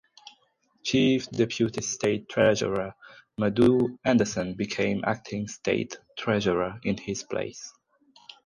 Chief deputy state treasurer Madhu Anderson became acting State Treasurer in his place.